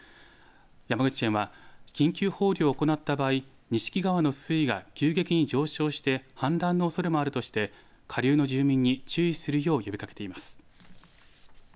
山口県は緊急放流を行った場合、錦川の水位が急激に上昇して氾濫のおそれもあるとして下流の住民に注意するよう呼びかけています。